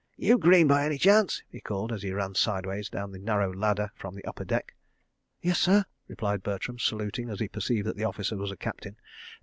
"You Greene, by any chance?" he called, as he ran sideway down the narrow ladder from the upper deck. "Yes, sir," replied Bertram, saluting as he perceived that the officer was a captain.